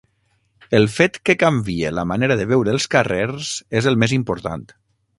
El fet que canvie la manera de veure els carrers és el més important.